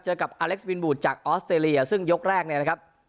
เจอกับอเล็กซ์วินบูดจากออสเตรเลียซึ่งยกแรกเนี่ยนะครับ